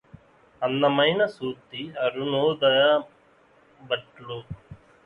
అందమైన సూక్తి అరుణోదయంబట్లు